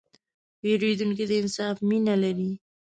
پیرودونکی د انصاف مینه لري.